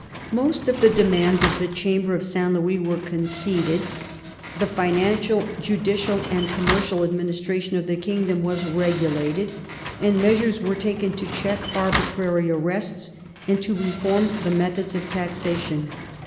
Most of the demands of the Chamber of St. Louis were conceded. The financial, judicial, and commercial administration of the kingdom was regulated, and measures were taken to check arbitrary arrests and to reform the methods of taxation.